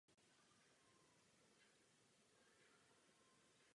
Může být trvalá nebo dočasná.